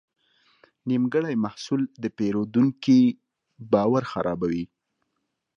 نیمګړی محصول د پیرودونکي باور خرابوي.